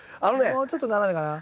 もうちょっと斜めかな。